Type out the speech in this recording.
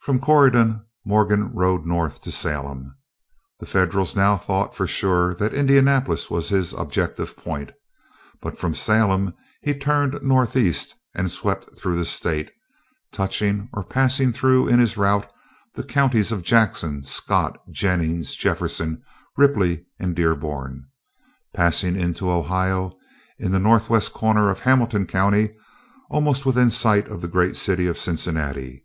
From Corydon Morgan rode north to Salem. The Federals now thought for sure that Indianapolis was his objective point, but from Salem he turned northeast and swept through the state, touching or passing through in his route the counties of Jackson, Scott, Jennings, Jefferson, Ripley, and Dearborn, passing into Ohio, in the northwest corner of Hamilton County, almost within sight of the great city of Cincinnati.